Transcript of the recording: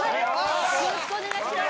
よろしくお願いします